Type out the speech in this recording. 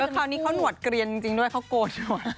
คราวนี้เขาหนวดเกลียนจริงด้วยเขาโกรธหวด